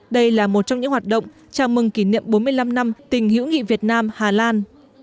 đây là một trong những hoạt động chào mừng kỷ niệm bốn mươi năm năm tình hữu nghị việt nam hà lan